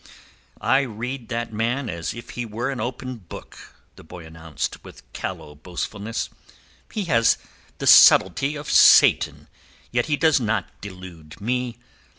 "I read that man as if he were an open book," the boy announced, with callow boastfulness. "He has the subtlety of Satan, yet he does not delude me.